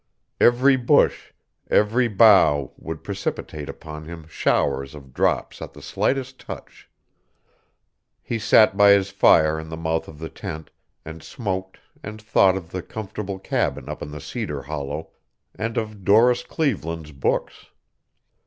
Every bush, every bough, would precipitate upon him showers of drops at the slightest touch. He sat by his fire in the mouth of the tent and smoked and thought of the comfortable cabin up in the cedar hollow, and of Doris Cleveland's books.